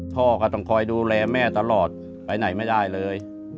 พ่อก็ต้องคอยดูแลแม่ตลอดไปไหนไม่ได้เลย